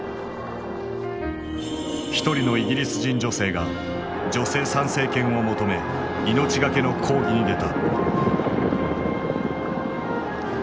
一人のイギリス人女性が女性参政権を求め命がけの抗議に出た。